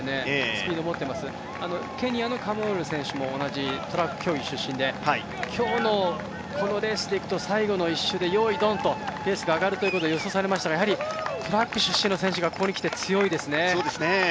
スピードを持っています、ケニアのカムウォロレ選手も同じトラック競技出身で今日のこのレースでいうと最後に用意、ドンとペースが上がることが予想されましたがトラック出身の選手がここにきて強いですね。